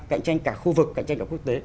cạnh tranh cả khu vực cạnh tranh cả quốc tế